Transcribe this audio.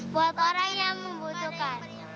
buat orang yang membutuhkan